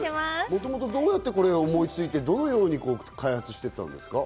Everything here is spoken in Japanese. もともとどうやってこれを思いついて、どのように開発してきたんですか？